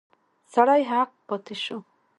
سړی هک پاته شو.